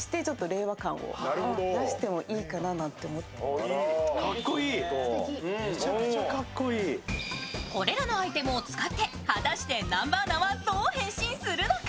そのポイントはこれらのアイテムを使って果たして南波アナはどう変身するのか。